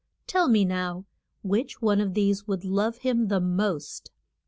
Tell me now which one of these would love him the most.